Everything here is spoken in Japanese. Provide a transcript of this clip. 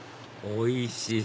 おいしい！